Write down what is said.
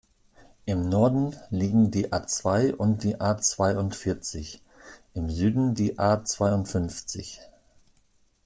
Im Norden liegen die A-zwei und die A-zweiundvierzig, im Süden die A-zweiundfünfzig.